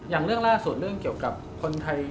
อย่างเรื่องล่าสุดเรื่องเกี่ยวกับคนไทย